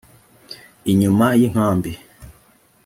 inyuma y’inkambi